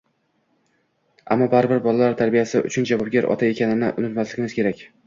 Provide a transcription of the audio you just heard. Ammo baribir bolalar tarbiyasi uchun javobgar ota ekanini unumasligimiz kerak